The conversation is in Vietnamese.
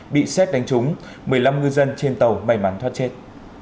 bị xét đánh trúng một mươi năm ngư dân trên tàu may mắn thoát chết